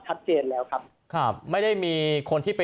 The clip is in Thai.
ตอนนี้ยังไม่ได้นะครับ